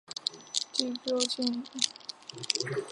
地标建筑为东皋公园中的文峰塔。